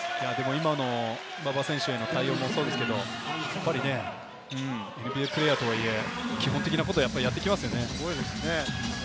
今の馬場選手への対応もそうですけど、ＮＢＡプレーヤーとはいえ、基本的なことをやってきますよね。